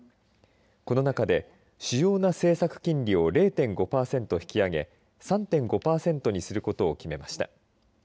この中で主要な政策金利を０．５パーセント引き上げ３．５パーセントにすることを決めました。